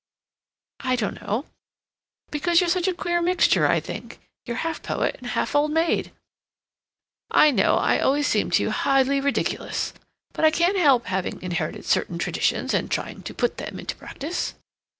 "I don't know. Because you're such a queer mixture, I think. You're half poet and half old maid." "I know I always seem to you highly ridiculous. But I can't help having inherited certain traditions and trying to put them into practice."